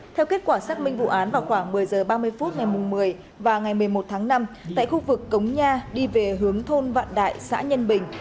theo kết quả xác minh vụ án vào khoảng một mươi h ba mươi phút ngày một mươi và ngày một mươi một tháng năm tại khu vực cống nha đi về hướng thôn vạn đại xã nhân bình